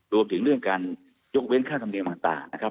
รวมถึงเรื่องการยกเว้นค่าธรรมเนียมต่างนะครับ